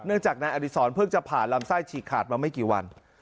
จากนายอดิษรเพิ่งจะผ่านลำไส้ฉีกขาดมาไม่กี่วัน